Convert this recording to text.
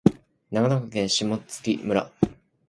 長野県下條村